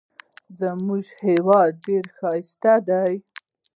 زموږ هیواد ډېر ښایسته دی.